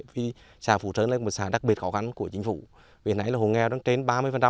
vì xã phú sơn là một xã đặc biệt khó khăn của chính phủ vì hồi nãy là hồ nghèo đang trên ba mươi